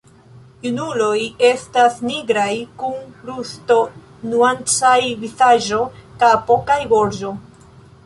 Junuloj estas nigraj kun rusto-nuancaj vizaĝo, kapo kaj gorĝo.